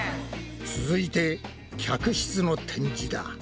続いて客室の展示だ。